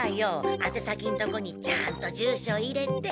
宛先んとこにちゃんと住所入れて。